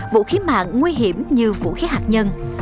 vũ khí mạng nguy hiểm như vũ khí hạt nhân